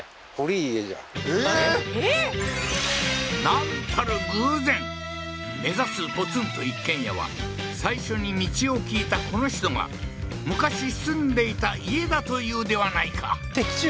なんたる偶然目指すポツンと一軒家は最初に道を聞いたこの人が昔住んでいた家だというではないか的中？